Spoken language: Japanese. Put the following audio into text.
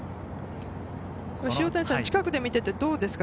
塩谷さん近くで見ていてどうですか？